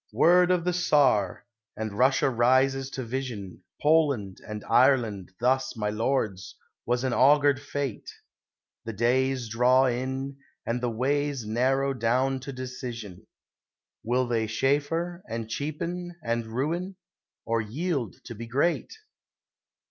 Word of the Tsar! And Russia rises to vision, Poland and Ireland thus, my lords, was an augured fate. The days draw in, and the ways narrow down to decision Will they chaffer, and cheapen, and ruin, or yield to be great?